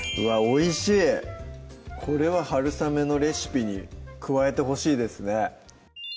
美味しいこれは春雨のレシピに加えてほしいですね